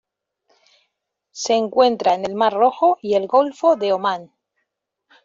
Se encuentra en el Mar Rojo y el Golfo de Omán.